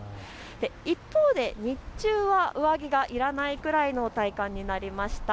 一方で日中は上着がいらないくらいの体感になりました。